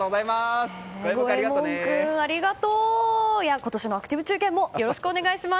今年のアクティブ中継もよろしくお願いします。